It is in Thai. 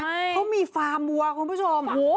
เขามีฟาร์มวัวคุณผู้ชม